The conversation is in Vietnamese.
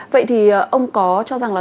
vậy thì ông có cho rằng là